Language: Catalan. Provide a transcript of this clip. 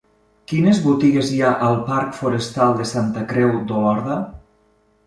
Quines botigues hi ha al parc Forestal de Santa Creu d'Olorda?